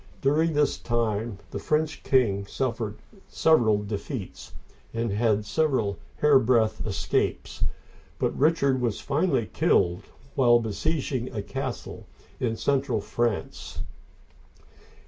During this time the French king suffered several defeats, and had several hair breadth escapes ; but Richard was finally killed while besieging a castle in central France (11^).